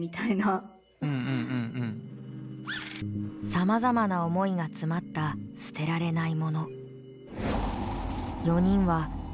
さまざまな思いが詰まった捨てられないもの。